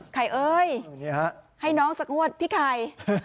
ไอเอ้ยให้น้องสักงวดพี่ไข่